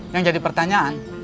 yang jadi pertanyaan